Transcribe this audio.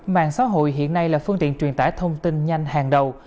mạng xã hội hiện nay là phương tiện truyền tải thông tin nhanh hàng đầu